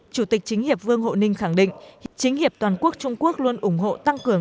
chủ tịch chính hiệp vương hộ ninh khẳng định chính hiệp toàn quốc trung quốc luôn ủng hộ tăng cường